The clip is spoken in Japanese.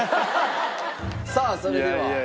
さあそれでは。